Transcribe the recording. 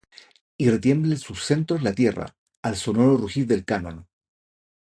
y retiemble en sus centros la tierra Al sonoro rugir del canon.